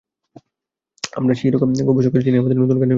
আমরা সেই রকম গবেষক চাই, যিনি আমাদের নতুন জ্ঞানের সন্ধান দেবেন।